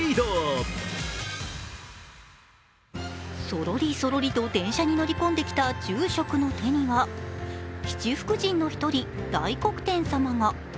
そろりそろりと電車に乗り込んできた住職の手には七福神の１人、大黒天様が。